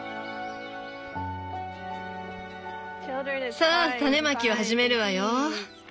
さあ種まきを始めるわよ！